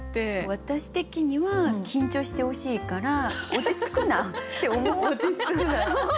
私的には緊張してほしいから「落ち着くな！」って思った。